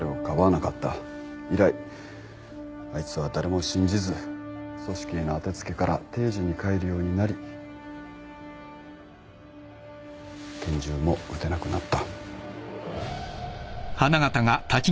以来あいつは誰も信じず組織への当て付けから定時に帰るようになり拳銃も撃てなくなった。